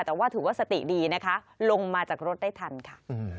แต่ว่าถือว่าสติดีนะคะลงมาจากรถได้ทันค่ะ